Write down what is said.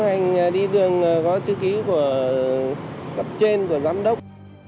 đây là những giấy xác nhận của cửa hàng